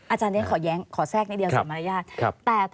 อาจารย์เนี่ยขอแย้งขอแทรกนิดเดียวสำหรับมารยาท